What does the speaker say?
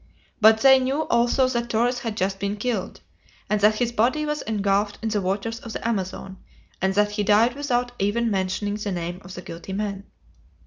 But they knew also that Torres had just been killed, and that his body was engulfed in the waters of the Amazon, and that he died without even mentioning the name of the guilty man.